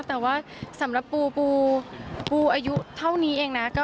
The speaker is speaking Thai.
แต่ว่าสำหรับปูปูปูอายุเท่านี้เองนะ